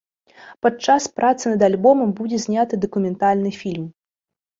Падчас працы над альбомам будзе зняты дакументальны фільм.